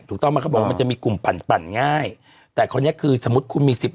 ถูกต้องไหมเขาบอกว่ามันจะมีกลุ่มปั่นปั่นง่ายแต่คราวนี้คือสมมุติคุณมีสิบ